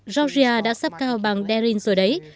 georgia đã sắp cao bằng darin rồi đấy